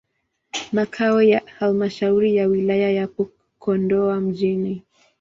Makao ya halmashauri ya wilaya yapo Kondoa mjini.